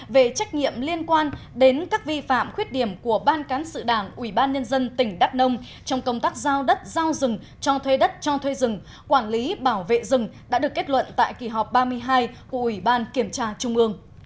về trách nhiệm liên quan đến các vi phạm khuyết điểm của ban cán sự đảng ủy ban nhân dân tỉnh đắk nông trong công tác giao đất giao rừng cho thuê đất cho thuê rừng quản lý bảo vệ rừng đã được kết luận tại kỳ họp ba mươi hai của ủy ban kiểm tra trung ương